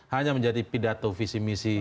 hanya menjadi pidatovisi misi